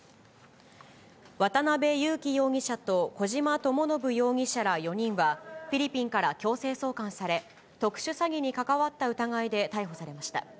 渡辺優樹容疑者と小島智信容疑者ら４人は、フィリピンから強制送還され、特殊詐欺に関わった疑いで逮捕されました。